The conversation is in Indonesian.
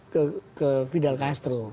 kemudian ke vidal castro